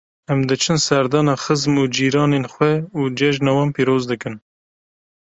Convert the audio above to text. Em diçin serdana xizim û cîranên xwe û cejna wan pîroz dikin.